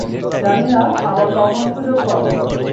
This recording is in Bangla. জানি না, আবার কখন সুযোগ পাবো।